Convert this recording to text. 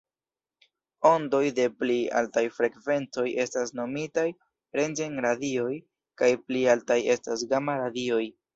Ondoj de pli altaj frekvencoj estas nomitaj rentgen-radioj kaj pli altaj estas gama-radioj.